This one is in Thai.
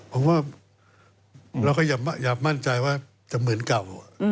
ผมว่าเราก็อย่ามั่นใจว่าจะเหมือนเก่า